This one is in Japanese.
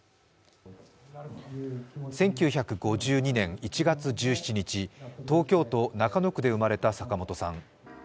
１９５２年１月１７日、東京都中野区で生まれた坂本さん。